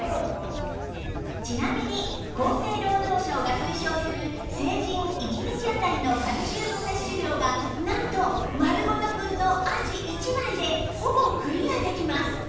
ちなみに厚生労働省が推奨する成人一日あたりのカルシウム摂取量がなんとまるごとくんのあじ１枚でほぼクリアできます！